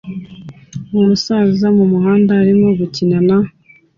Umu saza mumuhanda arimo gukina na